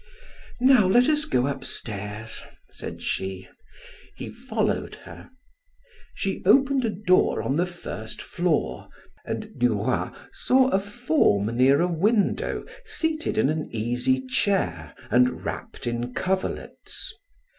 "Now, let us go upstairs," said she; he followed her. She opened a door on the first floor, and Duroy saw a form near a window, seated in an easy chair, and wrapped in coverlets.